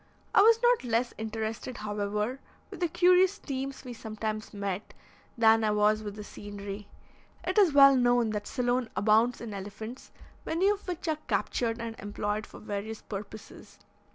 I was not less interested, however, with the curious teams we sometimes met, than I was with the scenery. It is well known that Ceylon abounds in elephants, many of which are captured and employed for various purposes.